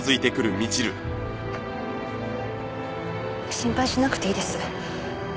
心配しなくていいです。